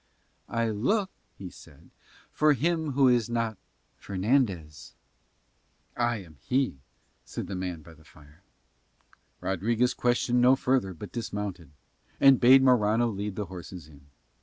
"I look," he said, "for him who is not Fernandez." "I am he," said the man by the fire. Rodriguez questioned no further but dismounted, and bade Morano lead the horses in.